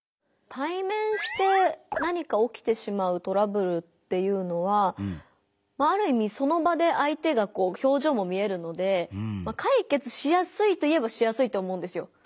対面して何か起きてしまうトラブルっていうのはまあある意味その場で相手がこう表情も見えるので解決しやすいといえばしやすいと思うんですよ。